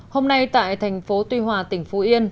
hôm nay tại tp tuy hòa tỉnh phú yên